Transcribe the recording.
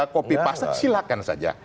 kopi pasak silahkan saja